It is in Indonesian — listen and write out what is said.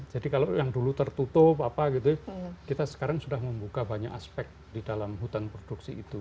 jadi kalau yang dulu tertutup kita sekarang sudah membuka banyak aspek di dalam hutan produksi itu